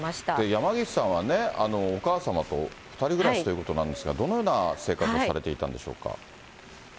山岸さんはね、お母様と２人暮らしということなんですが、どのような生活をされていたんでしょうか。